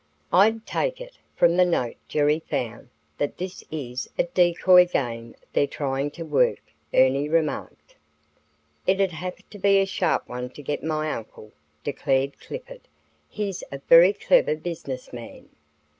"I'd take it, from the note Jerry found, that this is a decoy game they're trying to work," Ernie remarked. "It'd have to be a sharp one to get my uncle," declared Clifford. "He's a very clever business man."